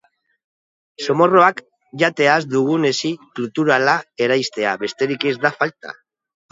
Zomorroak jateaz dugun hesi kluturala eraistea besterik ez da falta!